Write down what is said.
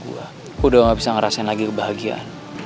aku udah gak bisa ngerasain lagi kebahagiaan